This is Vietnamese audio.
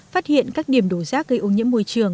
phát hiện các điểm đổ rác gây ô nhiễm môi trường